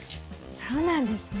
そうなんですね。